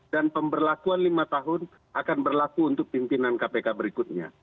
dan pemberlakuan lima tahun akan berlaku untuk pimpinan kpk berikutnya